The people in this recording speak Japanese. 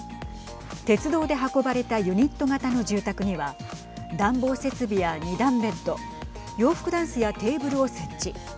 鉄道で運ばれたユニット型の住宅には暖房設備や二段ベッド洋服だんすやテーブルを設置。